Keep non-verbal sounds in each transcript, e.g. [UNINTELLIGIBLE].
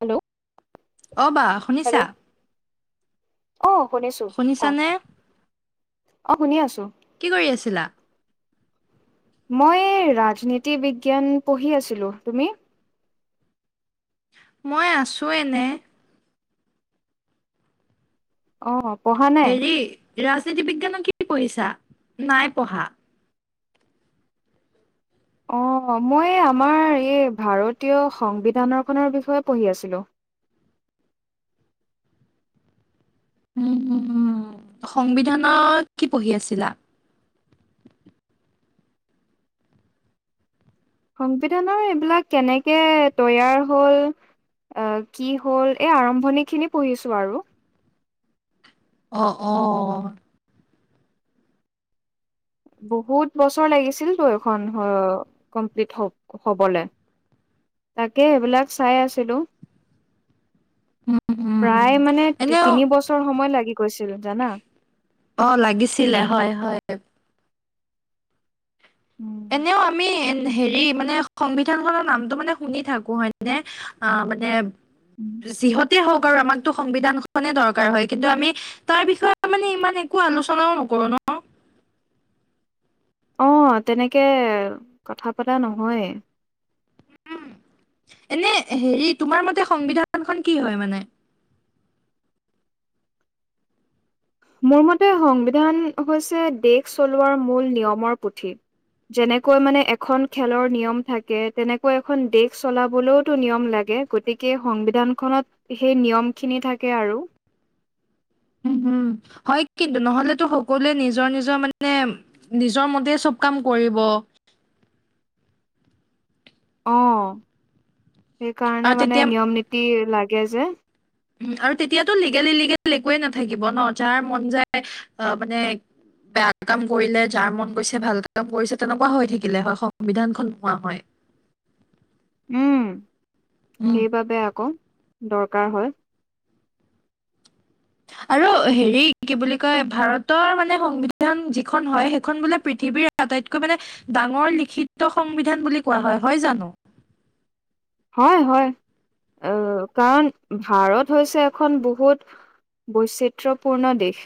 Hello অ' বা শুনিছা হেল্ল' অ' শুনিছো কোৱা শুনিছানে অ শুনি আছো কি কৰি আছিলা মই ৰাজনীতি বিজ্ঞান পঢ়ি আছিলো তুমি মই আছোঁ এনে অ পঢ়া নাই হেৰি ৰাজনীতি বিজ্ঞানৰ কি পঢিছা নাই পঢ়া অঁ মই আমাৰ এই ভাৰতীয় সংবিধানৰখনৰ বিষয়ে পঢ়ি আছিলোঁ [INAUDIBLE] উ সংবিধানত কি পঢ়ি আছিলা। সংবিধানৰ এইবিলাক কেনেকে তৈয়াৰ হল অহ কি হল এই আৰম্ভণি খিনি পঢ়িছো আৰু অ অ বহুত বছৰ লাগিছিলতো এইখন কমপ্লিট হ হ'বলৈ। তাকে এইবিলাক চাই আছিলোঁ উম প্ৰায় মানে তি এনেও তিনি বছৰ সময় লাগি গৈছিল জানা অ লাগিছিলে হয় হয় উম এনেও আমি হেৰি মানে সংবিধান খনৰ নামটো মানে শুনি থাকো হয় নে অ তোমালোকে যিহত টে হওঁক আৰু আমাকতো সংবিধান খনে দৰকাৰ হয় কিন্তু আমি তাৰ বিষয়ে মানে ইমান একো আলোচনাও অ ন [UNINTELLIGIBLE] অ তেনেকে কথা পতা নহয় ন এনে হেৰি তোমাৰ মতে সংবিধানখন কি হয় মানে মোৰ মতে সংবিধান হৈছে দেশ চলোৱাৰ মূল নিয়মৰ পুথি যেনেকৈ মানে এখন খেলৰ নিয়ম থাকে তেনেকৈ এখন দেশ চলাবলৈওতো নিয়ম লাগে গতিকে সংবিধানখনত সেই নিয়মখিনি থাকে আৰু হুম উম হয় কিন্তু নহলেতো সকলোৱে নিজৰ নিজৰ মানে নিজৰ মতে চব কাম কৰিব [UNINTELLIGIBLE] অ সেইকাৰণে আৰু মানে তেতিয়া নিয়ম নীতি লাগে যে আৰু তেতিয়াতো লিগেল ইলিগেল একোৱেই নাথাকিব ন যাৰ মন যায় অ মানে বেয়া কাম কৰিলে যাৰ মন গৈছে ভাল কাম কৰিছে তেনেকুৱা হৈ থাকিলে হয় সংবিধানখন নোহোৱা হয় উম উম সেইবাবে আকৌ দৰকাৰ হয় আৰু হেৰি কি বুলি কয় ভাৰতৰ মানে সংবিধান যিখন হয় সেইখন বোলে পৃথী পৃথিৱীৰ আটাইতকৈ মানে ডাঙৰ লিখিত সংবিধান বুলি কোৱা হয় জানো হয় হয় আহ কাৰণ ভাৰত হৈছে এখন বহুত বৈচিত্ৰ্যপূৰ্ণ দেশ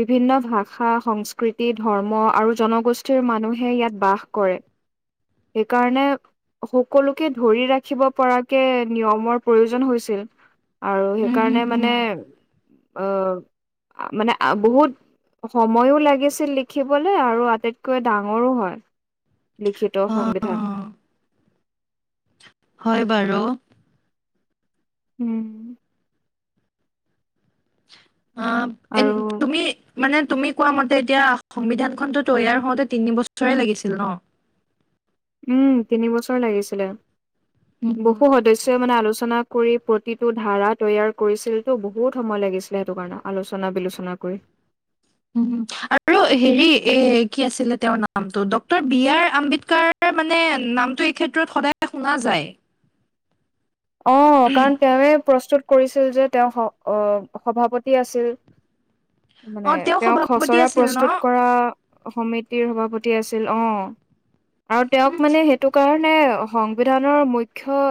বিভিন্ন ভাষা সংস্কৃতি ধৰ্ম আৰু জনগোষ্ঠী মানুহে ইয়াত বাস কৰে সেইকাৰণে সকলোকে ধৰি ৰাখি ৰাখিব পৰাকে নিয়মৰ প্ৰয়োজন হৈছিল আৰু উম হুম সেইকাৰণে হুম মানে অহ আ মানে বহুত সময়ো লাগিছিল লিখিবলে আৰু আটাইতকৈ ডাঙৰো হয় লিখিত সংবিধান অ', হয় বাৰু উম অ আৰু তুমি মানে তুমি কোৱা মতে এতিয়া সংবিধানখনতো তৈয়াৰ হওঁতে তিনি বছৰে লাগিছিল ন উম তিন বছৰ লাগিছিলে উম, হুম, বহু সদস্যই মানে আলোচন কৰি প্ৰতিটো ধাৰা তৈয়াৰ কৰিছিল টো বহুত সময় লাগিছিলে সেইটো কাৰণে আলোচনা বিলোচনা কৰি [UNINTELLIGIBLE] উম আৰু হেৰি এ কি আছিলে তেওঁৰ নামটো ডক্তৰ বি আৰ আম্বেদকাৰ মানে নামটো এই ক্ষেত্ৰত সদায় শুনা যায় অ কাৰণ তেওঁয়ে প্ৰস্তুত কৰিছিল যে তেওঁ সভাপতি আছিল মানে অ', তেওঁ তেওঁক সভাপতি খচৰা আছিল ন? প্ৰস্তুত কৰা সমিতিৰ সভাপতি আছিল অ আৰু উম, তেওঁক মানে সেইটো কাৰণে মানে সংবিধানৰ মুখ্য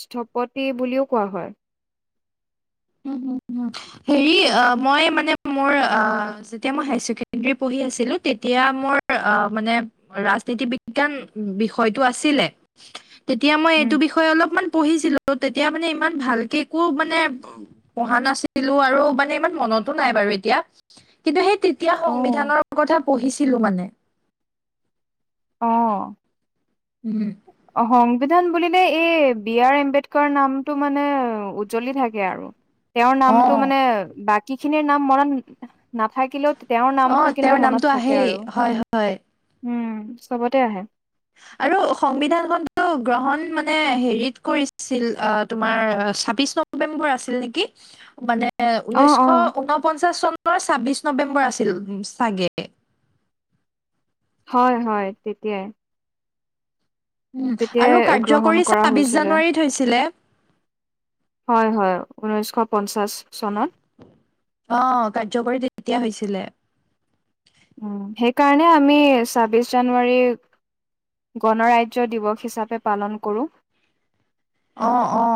স্থপতি বুলিও কোৱা হয় হুম, হুম। [UNINTELLIGIBLE] হেৰি মই মানে মোৰ যেতিয়া হাই চেকেণ্ডেৰী পঢ়ি আছিলো তেতিয়া তেতিয়া মোৰ মানে ৰাজনীতি বিজ্ঞান বিষয়টো আছিলে তেতিয়া মই উম এইটো বিষয়ে অলপমান পঢ়িছিলো তেতিয়া মানে ইমান ভালকে একো মানে পঢ়া নাছিলো আৰু মানে ইমান মনতো নাই বাৰু এতিয়া কিন্তু সেই তেতিয়া অ সংবিধানৰ কথা পঢ়িছিলো মানে অহ উম সংবিধান বুলিলে এই বি আৰ আম্বেদকাৰ নামটো মানে উ্জ্বলি থাকে আৰু তেওঁৰ অ নামটো মানে বাকী খিনিৰ নাম মনত নাথাকিলেও তেওঁৰ অ নামটো কিন্তু তেওঁৰ মনত নামটো থাকে আহেই আৰু হয় হয় উম চবতে আহে আৰু সংবিধানখনো গ্ৰহণ মানে হেৰিত কৰিছিল অ', তোমাৰ ন নে মান ৈ ছাব্বিছ অ অ নৱেম্বৰ আছিল চাগে হয় হয় তেতিয়াই উম তেতিয়াই আৰু গ্ৰহণ কাৰ্যকৰী কৰা ছাব্বিশ হৈছিলে জানুৱাৰীত হৈছিলে হয় হয় উঊনৈশশ পঞ্চাশ চনত অ', কাৰ্যকৰী তেতিয়া হৈছিলে কাৰণে আমি ছাব্বিশ জানুৱাৰী গণৰাজ্য দিৱস হিচাপে পালন কৰোঁ। অ অ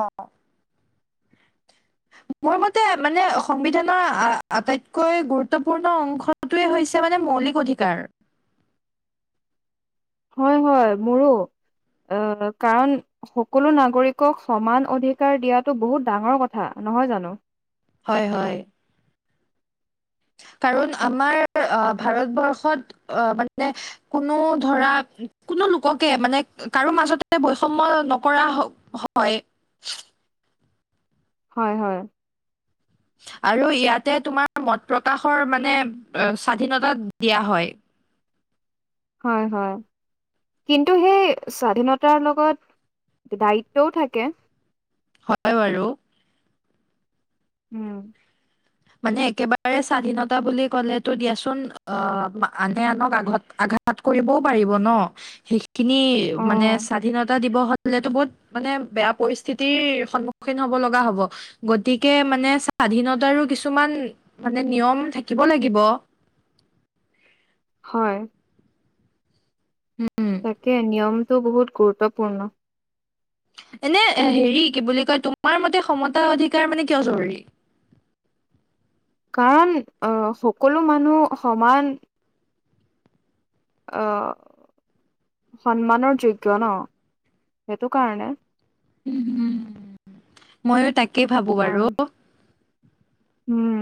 [UNINTELLIGIBLE] মোৰ মতে মানে সংবিধানৰ আটাইতকৈ গুৰুত্বপূৰ্ণ অংশটোৱে হৈছে মানে ম মৌলিক অধিকাৰ হয়, হয় মোৰো আহ, কাৰণ সকলো নাগৰিকক সমান অধিকাৰ দিয়াটো বহুত ডাঙৰ কথা নহয় জানো হয় হয় উ, [INAUDIBLE] কাৰণ আমাৰ ভাৰতবৰ্ষত মানে কোনো ধৰা কো লোককে মানে কাৰো মাজতে বৈষময় নকৰা হয় [UNINTELLIGIBLE] হয়, হয়। আৰু ইয়াতে তোমাৰ মত প্ৰকাশৰ মানে স্বাধীনতা দিয়া হয় হয় হয় কিন্তু সেই স্বাধীনতাৰ লগত দায়িত্বও থাকে হয় বাৰু উম মানে একেবাৰে স্বাধীনতা বুলি ক'লেতো দিয়াচোন অ আনে আনক আগত আ কৰিব প ন সেইখিনি অ মানে স্বনতা দ হলেো বহুত মানে বেয়া পৰিস্থিতিৰ সন্মুখীন হব লগা হব গতিকে মানে স্বাধীনতাৰো কিছু কিছুমান মানে নিয়ম থাকিব লাগিব হয় উম তাকে নিয়মটো বহুত গুৰুত্বপূৰ্ণ এনে হেৰি কি বুলি কয় তোমাৰ মতে সমতা অধিকাৰ মানে কিয় জৰুৰী [UNINTELLIGIBLE] কাৰণ আহ সকলো মানুহ সমান আহ সন্মানৰ যোগ্য ন সেইটো কাৰণে উম হম ময়ো তাকেই ভাবো বাৰু আৰু উম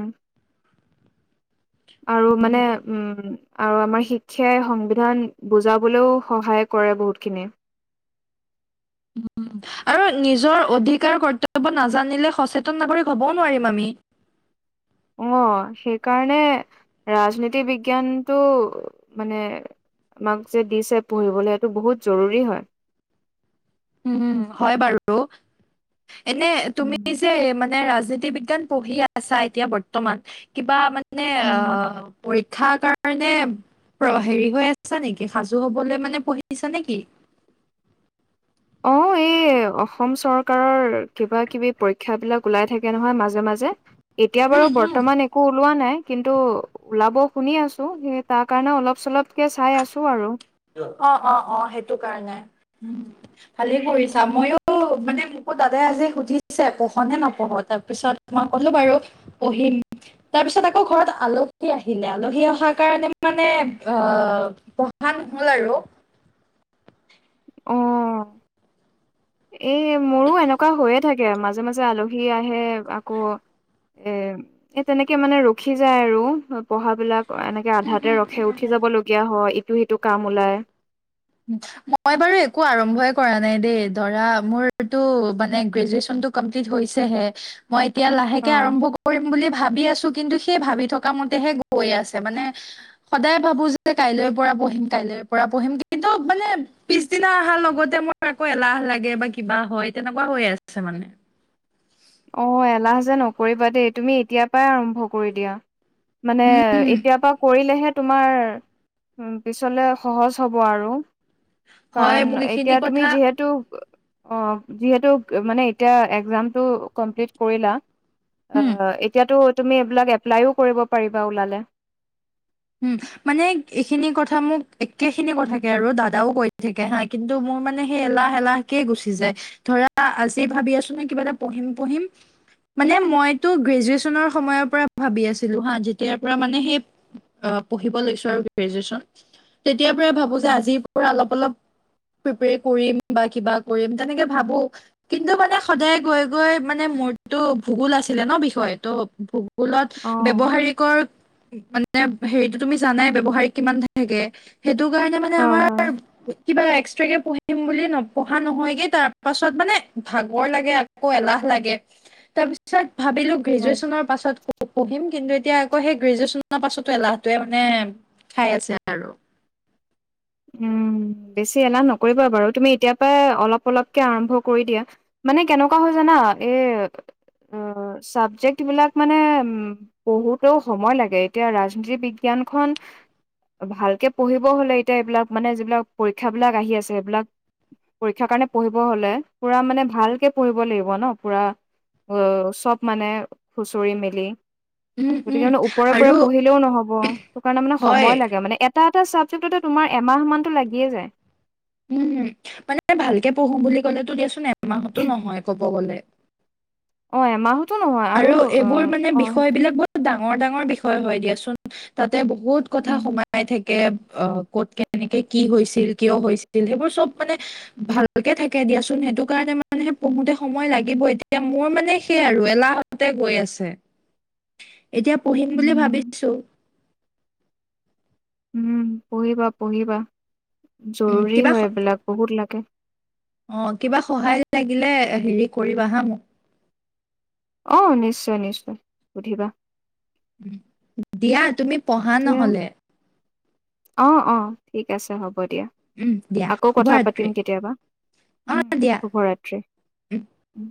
আৰু মানে উম আৰু আমাৰ শিক্ষাই সংবিধান বুজাবলৈও সহায় কৰে বহুতখিনি [UNINTELLIGIBLE] আৰু নিজৰ অধিকাৰ কৰ্তব্য নাজানিলে সচেতন নাগৰিক হ'বও নোৱাৰিম আমি [UNINTELLIGIBLE] আহ, সেইকাৰণে ৰাজনীতি বিজ্ঞানটো মানে আমাক যে দিছে পঢ়িবলৈ সটো বহুত জৰুৰী হয় উম হয় বাৰু এনে তুমি যে মানে। ৰাজনীতি বিজ্ঞান পঢ়ি আছা এতিয়া বৰ্তমান কিবা মানে। ঠাৰ কাৰণে। হেৰি হৈ আছা নেকি সাজু হবলৈ মানে পঢ়িছা নেকি। অ' এই অসম চৰকাৰৰ কিবা কিবি পৰীক্ষা বিলাক ওলাই থাকে নহয় মাজে মাজে। এতিয়া বাৰু বৰ্তমান একো ওলোৱা নাই। কিন্তু ওলাব শুনি আছোঁ সেই তাৰকাৰণে অলপ চলপ। অ -অ -অ সেইটো কাৰণে উ ভালে কৰিছা মইও। মানে মোকো দাদাই আজি সুধিছে পঢ় নে নপঢ় তাৰ পিছত তোই ক'লো বাৰু পঢ়িম। তাৰ পিছত আকৌ ঘৰত আলহী আহিলে আলহী অহাৰ কাৰণে মানে অ। পঢ়া নহ'ল আৰু। অ। এ মোৰো এনেকুৱা হৈয়ে থাকে মাজে মাজে আলহী আহে আকৌ। এ এ তেনেকে মানে ৰখি যায় আৰু পঢ়া বিলাক। এনেকে আধাতে ৰখে আৰু উঠি যাব লগীয়া হয় ইটো সিটো কাম ওলাই। মই বাৰু একো আৰম্ভই কৰা নাই দেই ধৰা মোৰটো মানে গ্ৰেজুৱেচন। মই এতিয়া অ লাহেকে আৰম্ভ কৰিম বুলি ভাবি আছোঁ কিন্তু সেই ভাবি থকা মতেহে গৈ আছে মানে সদায় ভাবো যে কাইলৈ পৰা বহিম কাইলৈ। পৰা পঢ়িম। কিন্তু মানে পিছদিনা অহাৰ লগতে মোৰ আকৌ এলাহ লাগে বা কিবা হয় তেনেকুৱা হৈ আছে। মানে। অ' এলাহ যে নকৰিবা দেই তুমি এতিয় পৰাই আৰম্ভ কৰি দিয়া মানে উম এতিয়াৰ পৰা কৰিলেহে। তোমাৰ উম পিছলে সহজ হ'ব আৰু। হয় কাৰণ মোক এইখিনি এতিয়া কথা তুমি যিহেতু। অ যিহেতু মানে এতিয়া এক্সামটো কমপ্লিট কৰিলা। উম এতিয়াতো তুমি এইবিলাক এপ্লাইও কৰিব পাৰিবা ওলালে। উম মানে এইখিনি কথা মোক একেখিনি কথাকে আৰু দাদাও কৈ থাকে হা কিন্তু মোক। মানে সেই এলাহ এলাহকে গুচি যায় ধৰা আজি ভাবি আছোঁ নহ কিবা এটা পঢ়িম পঢ়িম। মানে মইতো গ্ৰেজুৱেচনৰ সময়ৰ পৰা ভাবি আছিলো হা যেতিয়াৰ পৰা মানে সেই। পঢ়িব লৈছো আৰু গ্ৰেজুৱেচন তেতিয়াৰ পৰাই ভাবো যে উম, আজিৰ পৰা অলপ অলপ। প্ৰিপ্ৰেৰ কৰিম বা কিবা কৰিম তেনেকে ভাবোঁ কিন্তু মানে সদায় গৈ গৈ মানে। মোৰটো ভূগোল আছিলে নহ বিষয় ত' ভূগোলত অ ব্যৱহাৰিক মানে। হেৰিতটো তুমি জানাই ব ব্যৱহাৰিক কিমান থাকে সেইটো কাৰণে মানে হয় আমাৰ হয়। কিবা এক্সট্ৰাকে পঢ়ি। পঢ়িম বুলি নপঢ়া নহয়গে তাৰ পাছত মানে ভাগৰ লাগে আকৌ এলাহ লাগে। তাৰ পিছত ভাবিলোঁ হয় গ্ৰেজুৱেচনৰ পাছত পঢ়িম কিন্তু এতিয়া আকৌ সেই গ্ৰেজুৱেচন। তাৰ পাছতো এলাহটোৱে মানে খাই আছে আৰু উম বেছি এলাহ নকৰিবা বাৰু তুমি এতিয়াৰ পৰা অলপ অলপকে আৰম্ভ কৰি দিয়া। মানে কেনেকুৱা হৈ জানা এ। অ চাবজেক্ট বিলাক মানে উম পঢ়তেও সময় লাগে এতিয়া ৰাজনীতি বিজ্ঞান। ভালকে পঢ়িব হ'লে এতিয়া এইবিলাক। মানে যিবিলাক পৰীক্ষাবিলাক আহি আছে সেইবিলাক। পৰীক্ষাৰ কাৰণে পঢ়িব হলে পুৰা মানে ভালকে পঢ়িব লাগিব ন পুৰা। অহ চব মানে খুচৰি মেলি। উম গতিকে উম মানে ওপৰে ওপৰে আৰু পঢ়িলেও নহব সিটো কাৰণে মানে হয় সময় লাগে মানে এটা। চাবজেক্টতে তোমাৰ এমাহ মানতটো লাগিয়ে যায়। উম মানে ভালকে পঢ়ো বুলি ক'লে দিয়াচোন এমাহতো নহয় কব গ'লে। অ এমাহত আৰু এইবোৰ মানে বিষয় বিলাক বহুত দাম ডাঙৰ ডাঙৰ বিষয় হয় দিয়াচোন তাতে বহুত কথা উম সোমাই থাকে অ তাকে ক'ত কেনেকে কি হৈছিল কিয় হৈছিল সেইবোৰ চব মানে ভালকে থাকে দিয়াচোন সেইটো কাৰণে মানেহে পঢ়োতে সময় লাগিবই এতিয়া মোৰ মানে সেইয়াই আৰু এলাহ গৈ আছে এতিয়া পঢ়িম বুলি উম ভাবিছো উম পঢ়িবা পঢ়িবা উম জৰুৰী কিবা হয় স- এইবিলাক বহুত লাগে দিলে হেৰি কৰিবা হা মোক অ নিশ্চয় নিশ্চয় সুধিবা দিয়া তুমি পঢ়া দিয়া নহলে অ অ ঠিক আছে হ'ব দিয়া উম দিয়া আকৌ কথা পাতিম শুভৰাত্ৰি কেতিয়াবা অ উম দিয়া শুভৰাত্ৰি উম